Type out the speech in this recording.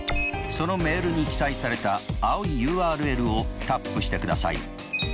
そのメールに記載された青いＵＲＬをタップしてください。